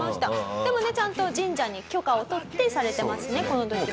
でもねちゃんと神社に許可を取ってされてますねこの時も。